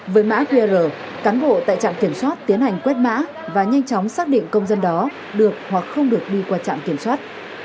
với mã qr cán bộ tại trạm kiểm soát tiến hành quét mã và nhanh chóng xác định công dân đó được hoặc không được đi qua trạm kiểm soát